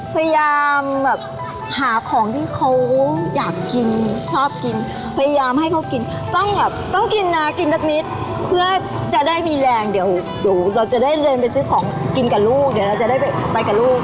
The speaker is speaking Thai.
พยายามหาของที่เขาอยากกินชอบกิน